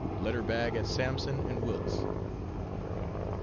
_ _Letter bag at Sampson and Wilt's.